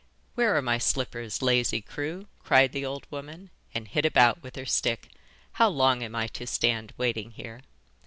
'Where are my slippers, lazy crew?' cried the old woman, and hit about with her stick. 'How long am I to stand waiting here?